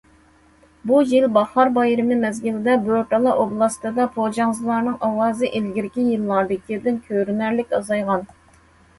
بۇ يىل باھار بايرىمى مەزگىلىدە، بورتالا ئوبلاستىدا پوجاڭزىلارنىڭ ئاۋازى ئىلگىرىكى يىللاردىكىدىن كۆرۈنەرلىك ئازايغان.